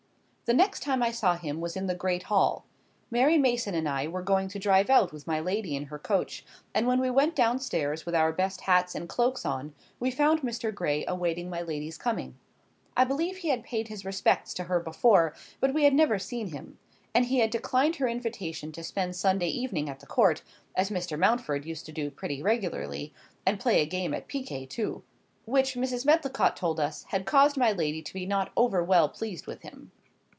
The next time I saw him was in the great hall. Mary Mason and I were going to drive out with my lady in her coach, and when we went down stairs with our best hats and cloaks on, we found Mr. Gray awaiting my lady's coming. I believe he had paid his respects to her before, but we had never seen him; and he had declined her invitation to spend Sunday evening at the Court (as Mr. Mountford used to do pretty regularly—and play a game at picquet too—), which, Mrs. Medlicott told us, had caused my lady to be not over well pleased with him.